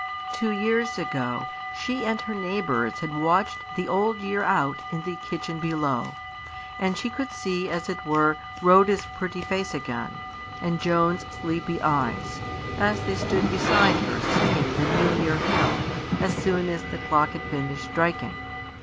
Two years ago she and her neighbours had watched the Old Year out in the kitchen below; and she could see, as it were, Rhoda's pretty face again, and Joan's sleepy eyes, as they stood beside her singing the New Year hymn, as soon as the clock had finished striking.